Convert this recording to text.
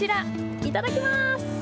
いただきます。